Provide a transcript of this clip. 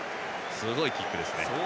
すごいキックですね。